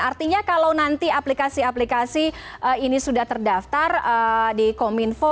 artinya kalau nanti aplikasi aplikasi ini sudah terdaftar di kominfo